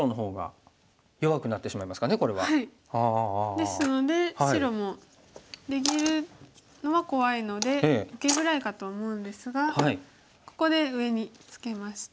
ですので白も出切るのは怖いので受けぐらいかと思うんですがここで上にツケまして。